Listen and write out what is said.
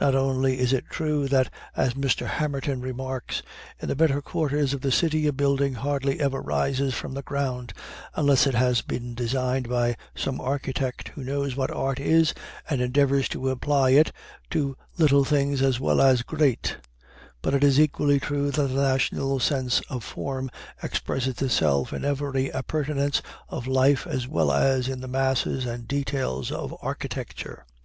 Not only is it true that, as Mr. Hamerton remarks, "in the better quarters of the city a building hardly ever rises from the ground unless it has been designed by some architect who knows what art is, and endeavors to apply it to little things as well as great"; but it is equally true that the national sense of form expresses itself in every appurtenance of life as well as in the masses and details of architecture.